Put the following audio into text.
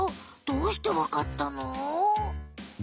どうしてわかったの？